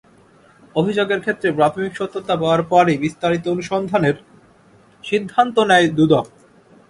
অভিযোগের ক্ষেত্রে প্রাথমিক সত্যতা পাওয়ার পরই বিস্তারিত অনুসন্ধানের সিদ্ধান্ত নেয় দুদক।